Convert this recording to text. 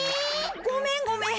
ごめんごめん。